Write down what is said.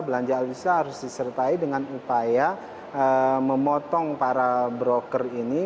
belanja alutsista harus disertai dengan upaya memotong para broker ini